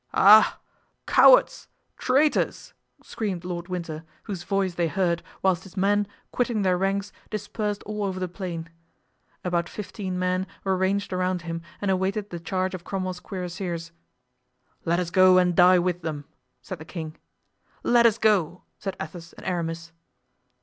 "Ah, cowards! traitors!" screamed Lord Winter, whose voice they heard, whilst his men, quitting their ranks, dispersed all over the plain. About fifteen men were ranged around him and awaited the charge of Cromwell's cuirassiers. "Let us go and die with them!" said the king. "Let us go," said Athos and Aramis.